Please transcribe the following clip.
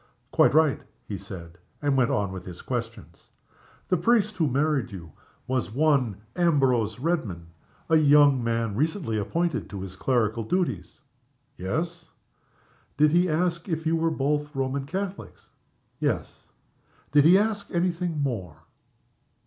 "Quite right," he said, and went on with his questions. "The priest who married you was one Ambrose Redman a young man recently appointed to his clerical duties?" "Yes." "Did he ask if you were both Roman Catholics?" "Yes." "Did he ask any thing more?"